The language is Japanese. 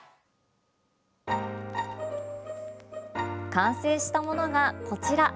完成したものが、こちら。